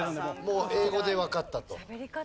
もう英語でわかったと。